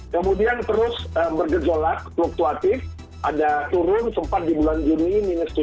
kemudian terus bergejolak fluktuatif ada turun sempat di bulan juni minus tujuh